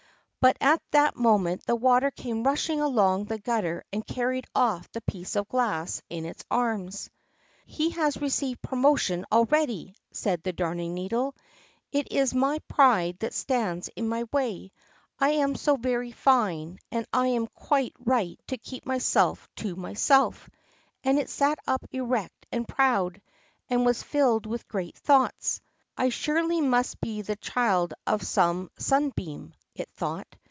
But at that moment the water came rushing along the gutter and carried off the piece of glass in its arms. "He has received promotion already," said the Darning needle. "It is my pride that stands in my way. I am so very fine, and I am quite right to keep myself to myself," and it sat up erect and proud, and was filled with great thoughts. "I surely must be the child of some sunbeam," it thought.